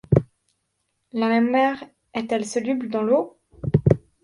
La mémoire est-elle soluble dans l'eau ?